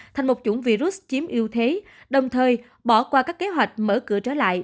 thành một chủng virus chiếm ưu thế đồng thời bỏ qua các kế hoạch mở cửa trở lại